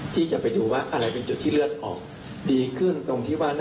ที่จะไปดูว่าอะไรเป็นจุดที่เลือดออกดีขึ้นตรงที่ว่า